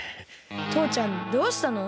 とうちゃんどうしたの？